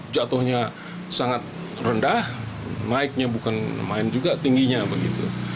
jatuhnya sangat rendah naiknya bukan main juga tingginya begitu